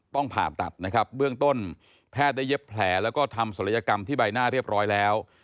ผ่าตัดนะครับเบื้องต้นแพทย์ได้เย็บแผลแล้วก็ทำศัลยกรรมที่ใบหน้าเรียบร้อยแล้ว